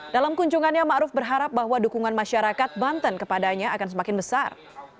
dalam kunjungannya ma'ruf berharap bahwa dukungan masyarakat banten kepadanya akan semakin besar